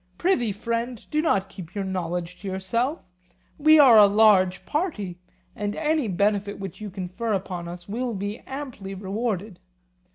Prithee, friend, do not keep your knowledge to yourself; we are a large party; and any benefit which you confer upon us will be amply rewarded.